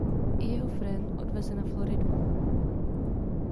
I jeho Fran odveze na Floridu.